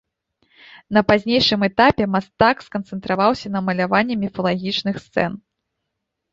На пазнейшым этапе мастак сканцэнтраваўся на маляванні міфалагічных сцэн.